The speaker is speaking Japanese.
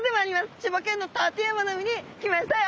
千葉県の館山の海に来ましたよ！